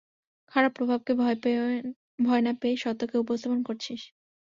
খারাপ প্রভাবকে ভয় না পেয়ে সত্যকে উপস্থাপন করছিস।